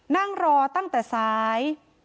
นั่งรอตั้งแต่ซ้าย